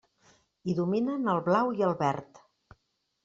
Hi dominen el blau i el verd.